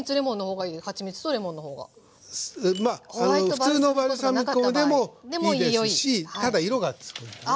普通のバルサミコでもいいですしただ色が付くんでね。